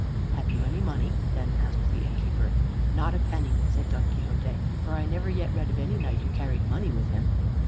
"Have you any money?" then asked the innkeeper. "Not a penny," said Don Quixote, "for I never yet read of any knight who carried money with him."